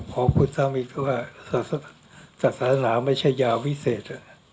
ขอพูดซ้ำอีกทีว่าศาสนาไม่ใช่ยาวิเศษ